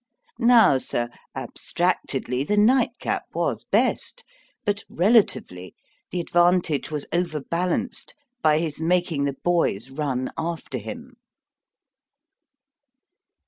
Now, Sir, abstractedly, the night cap was best; but, relatively, the advantage was overbalanced by his making the boys run after him.'